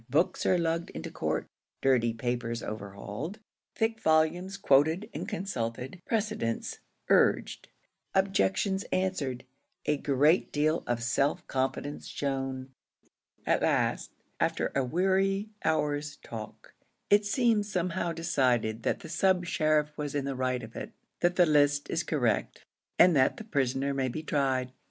Books are lugged into court dirty papers overhauled thick volumes quoted and consulted precedents urged objections answered a great deal of self confidence shown. At last, after a weary hour's talk, it seems somehow decided that the sub sheriff was in the right of it that the list is correct, and that the prisoner may be tried.